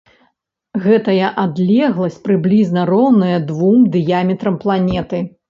Гэтая адлегласць прыблізна роўная двум дыяметрам планеты.